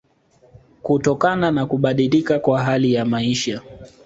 kutokana na kubadilika kwa hali ya maisha